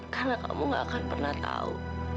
karena kamu nggak akan pernah tahu